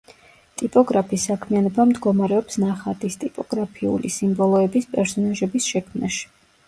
ტიპოგრაფის საქმიანობა მდგომარეობს ნახატის, ტიპოგრაფიული სიმბოლოების, პერსონაჟების შექმნაში.